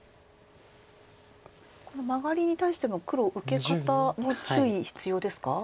このマガリに対しての黒受け方も注意必要ですか？